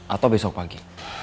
atau besok pagi